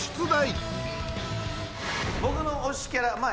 僕の推しキャラまあ